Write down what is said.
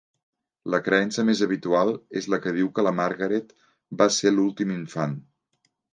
La creença més habitual és la que diu que la Margaret va ser l'últim infant.